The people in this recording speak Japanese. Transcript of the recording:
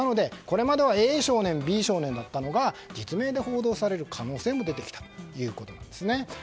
これまではＡ少年、Ｂ少年だったのが実名で報道される可能性も出てきたということですね。